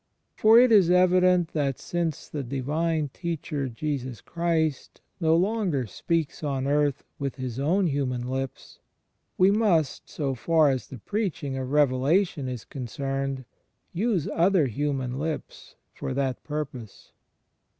For it is evident that since the Divine Teacher Jesus Christ no longer speaks on earth with His own human lips, He must, so far as the preaching of Revelation is concerned, use other human lips for that purpose.